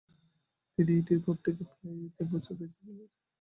তিনি এটির পর থেকে প্রায় তিন বছর বেঁচে ছিলেন।